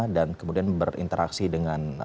dan kemudian berinteraksi dengan